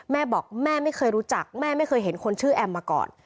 แม่บอกแม่ไม่เคยรู้จักแม่ไม่เคยเห็นคนชื่อแอมมาก่อน